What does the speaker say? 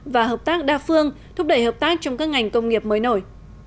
và hợp tác đa phương thúc đẩy hợp tác trong các ngành công nghiệp mới nổi